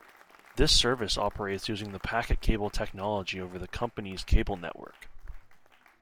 This service operates using the PacketCable technology over the company's cable network.